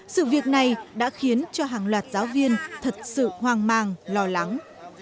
sự việc này đã khiến cho hàng loạt giáo viên thật sự hoang mang lo lắng